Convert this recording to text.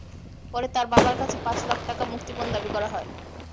পরে তাঁর বাবার কাছে পাঁচ লাখ টাকা মুক্তিপণ দাবি করা হয়।